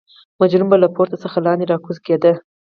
مجرم به له پورته څخه لاندې راګوزار کېده.